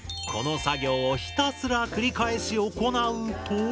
この作業をひたすら繰り返し行うと。